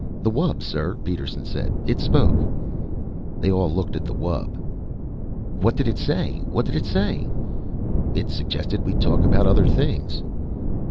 "The wub, sir," Peterson said. "It spoke." They all looked at the wub. "What did it say? What did it say?" "It suggested we talk about other things."